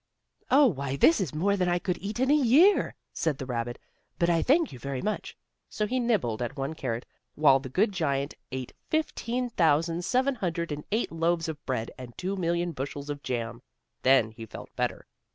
"Oh, why this is more than I could eat in a year," said the rabbit, "but I thank you very much," so he nibbled at one carrot, while the good giant ate fifteen thousand seven hundred and eight loaves of bread, and two million bushels of jam. Then he felt better.